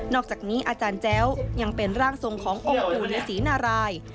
อกจากนี้อาจารย์แจ้วยังเป็นร่างทรงขององค์ปู่ฤษีนาราย